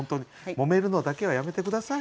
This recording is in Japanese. もめるのだけはやめて下さい。